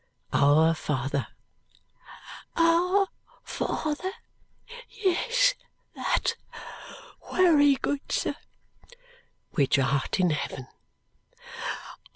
"Our Father." "Our Father! Yes, that's wery good, sir." "Which art in heaven."